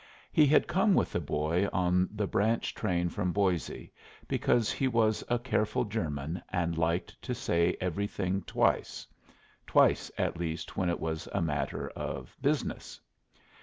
He had come with the boy on the branch train from Boise, because he was a careful German and liked to say everything twice twice at least when it was a matter of business.